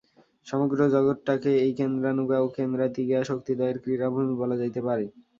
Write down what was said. সমগ্র জগৎটাকে এই কেন্দ্রানুগা ও কেন্দ্রাতিগা শক্তিদ্বয়ের ক্রীড়াভূমি বলা যাইতে পারে।